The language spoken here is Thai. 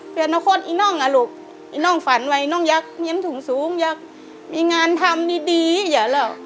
เป็นคนอีน้องอะลูกอีน้องฝันไว้อีน้องอยากเฮียนสูงอยากมีงานทำดีอย่าแล้ว